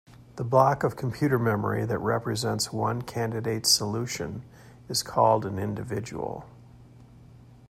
The block of computer memory that represents one candidate solution is called an individual.